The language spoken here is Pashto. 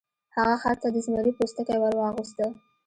هغه خر ته د زمري پوستکی ور واغوسته.